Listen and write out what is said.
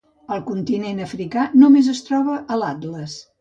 Al continent africà només es troba a l'Atles.